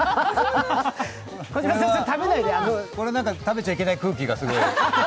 これは食べちゃいけない空気がすごい。